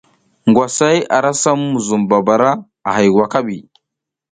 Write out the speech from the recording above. Ngwasay ara sam muzum babara a hay wakaɓi.